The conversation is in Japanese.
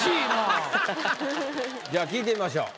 じゃあ聞いてみましょう。